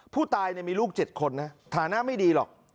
ผู้ตายมีลูก๗คนนะฐานะไม่ดีหรอก